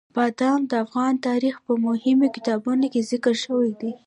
بادام د افغان تاریخ په مهمو کتابونو کې ذکر شوي دي.